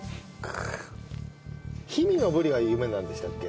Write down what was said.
氷見のブリが有名なんでしたっけ？